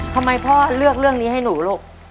ทำไมพ่อเลือกเรื่องนี้ให้หนูลูก